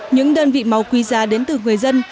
những đơn vị máu quý giá đến từ người dân